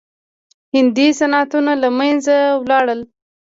هندي صنعتونه له منځه لاړل.